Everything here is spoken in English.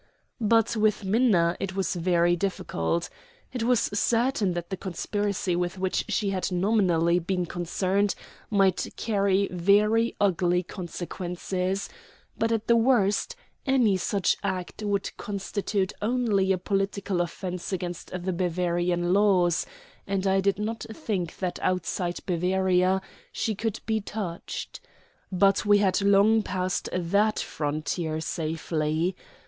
But with Minna it was very different. It was certain that the conspiracy with which she had nominally been concerned might carry very ugly consequences; but, at the worst, any such act would constitute only a political offence against the Bavarian laws, and I did not think that outside Bavaria she could be touched. But we had long passed that frontier safely.